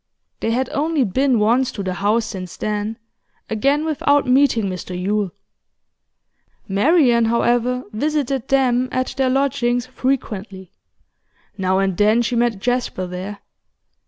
They had only been once to the house since then, again without meeting Mr Yule. Marian, however, visited them at their lodgings frequently; now and then she met Jasper there.